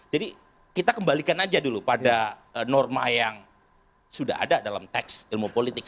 jadi kita kembalikan aja dulu pada norma yang sudah ada dalam teks ilmu politik